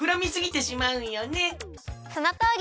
そのとおり！